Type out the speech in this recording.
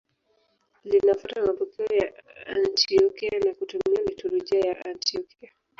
Linafuata mapokeo ya Antiokia na kutumia liturujia ya Antiokia.